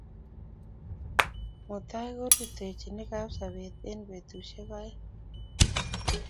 Mutai kerutochini Kapsabet eng' petusyek aeng'